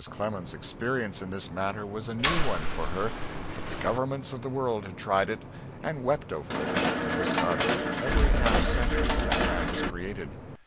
Clemens's experience in this matter was a new one for her, but the governments of the world had tried it, and wept over it, and discarded it, every half century since man was created.